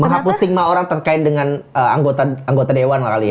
menghapus stigma orang terkait dengan anggota dewan lah kali ya